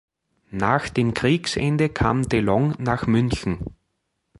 Nach Kriegsende kam Delonge nach München.